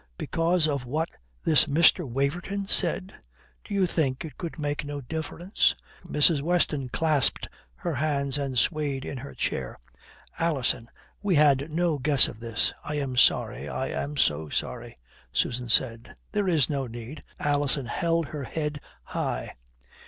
"Because of what this Mr. Waverton said?" "Do you think it could make no difference?" Mrs. Weston clasped her hands and swayed in her chair. "Alison; we had no guess of this. I am sorry. I am so sorry," Susan said. "There is no need." Alison held her head high.